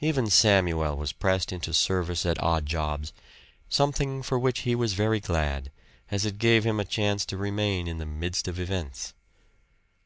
Even Samuel was pressed into service at odd jobs something for which he was very glad, as it gave him a chance to remain in the midst of events.